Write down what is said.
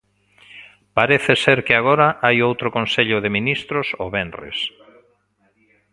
Parece ser que agora hai outro consello de ministros o venres.